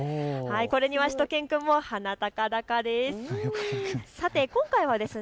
これにはしゅと犬くんも鼻高々です。